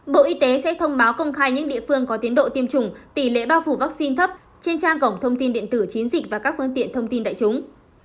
bộ y tế sẽ thông báo công khai những địa phương có tiến độ tiêm chủng tỷ lệ bao phủ vaccine thấp trên trang cổng thông tin điện tử chiến dịch và các phương tiện thông tin đại chúng